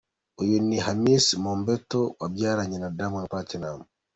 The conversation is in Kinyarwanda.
Uyu ni Hamisa Mobetto wabyaranye na Diamond Platnumz.